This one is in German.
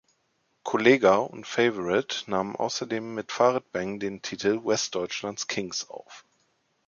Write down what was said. Kollegah und Favorite nahmen außerdem mit Farid Bang den Titel "Westdeutschlands Kings" auf.